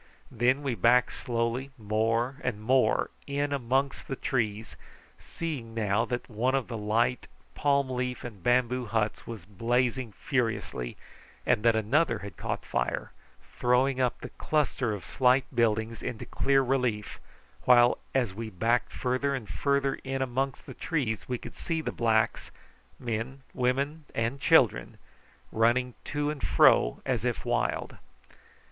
Then we backed slowly more and more in amongst the trees, seeing now that one of the light palm leaf and bamboo huts was blazing furiously, and that another had caught fire, throwing up the cluster of slight buildings into clear relief, while as we backed farther and farther in amongst the trees we could see the blacks men, women, and children running to and fro as if wild.